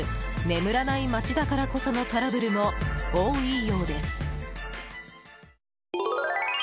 眠らない街だからこそのトラブルも多いようです。